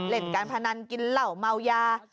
เล่นการพนันกินเหล่าเมายา